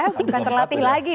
bukan terlatih lagi